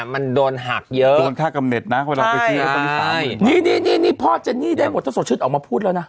มันโดนหักเยอะโดนท่ากำเน็ตนะใช่ใช่นี่นี่นี่นี่พ่อเจนี่ได้หมวดท่าสดชื่นออกมาพูดแล้วนะ